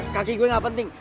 kaki gue gak penting